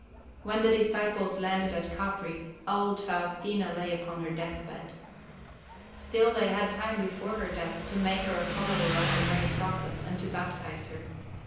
When the disciples landed at Capri, old Faustina lay upon her death bed. Still they had time before her death to make of her a follower of the great Prophet, and to baptize her.